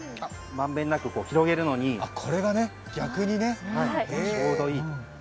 まんべんなく広げるのにちょうどいい。